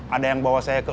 ada yang bawa saya ke ugd